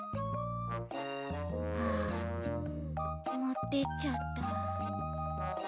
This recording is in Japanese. ああもってっちゃった。